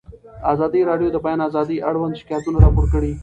ازادي راډیو د د بیان آزادي اړوند شکایتونه راپور کړي.